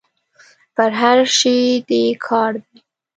په هر شي دي کار دی.